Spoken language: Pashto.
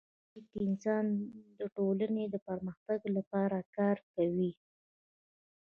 نیک انسان د ټولني د پرمختګ لپاره کار کوي.